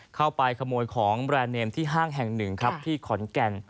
เข้าไปขโมยของแบรนด์เนมที่ห้างแห่งหนึ่งครับที่ขอนแก่น